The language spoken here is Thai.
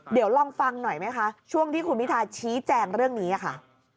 เดี๋ยวลองฟังหน่อยไหมคะช่วงที่คุณพิทาชี้แจงเรื่องนี้ค่ะ